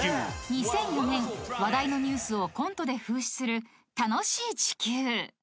［２００４年話題のニュースをコントで風刺する『楽しい地球』］